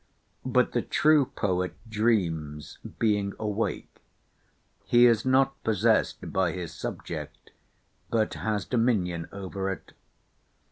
But the true poet dreams being awake. He is not possessed by his subject, but has dominion over it.